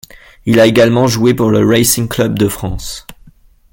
Il a également joué pour le Racing Club de France.